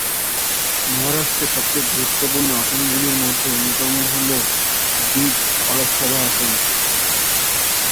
মহারাষ্ট্র সবচেয়ে গুরুত্বপূর্ণ আসনগুলির মধ্যে অন্যতম হল বিদ লোকসভা আসন।